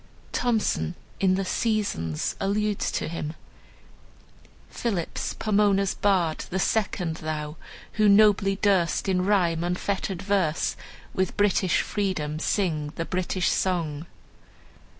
Thomson in the "Seasons" alludes to him: "Phillips, Pomona's bard, the second thou Who nobly durst, in rhyme unfettered verse, With British freedom, sing the British song."